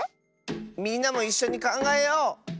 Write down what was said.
みんなもいっしょにかんがえよう！